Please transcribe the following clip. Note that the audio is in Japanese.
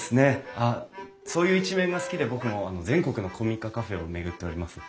あっそういう一面が好きで僕も全国の古民家カフェを巡っております。